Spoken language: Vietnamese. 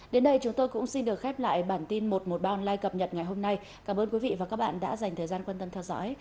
đến đây chúng tôi cũng xin được khép lại bản tin một mươi một ban like cập nhật ngày hôm nay cảm ơn quý vị và các bạn đã dành thời gian quan tâm theo dõi